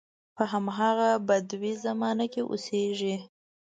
په همغه بدوي زمانو کې اوسېږي.